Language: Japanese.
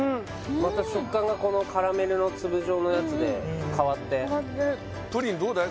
また食感がこのカラメルの粒状のやつで変わってプリンどうだい？